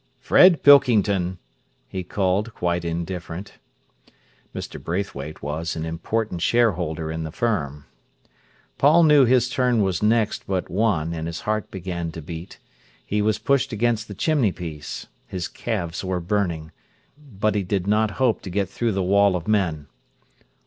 "Fred Pilkington!" he called, quite indifferent. Mr. Braithwaite was an important shareholder in the firm. Paul knew his turn was next but one, and his heart began to beat. He was pushed against the chimney piece. His calves were burning. But he did not hope to get through the wall of men.